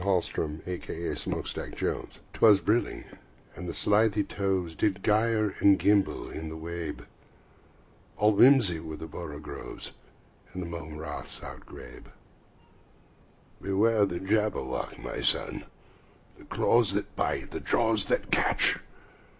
Lewis Carroll Jabberwocky 'TWAS brillig, and the slithy toves Did gyre and gimble in the wabe: All mimsy were the borogoves, And the mome raths outgrabe. "Beware the Jabberwock, my son! The jaws that bite, the claws that catch!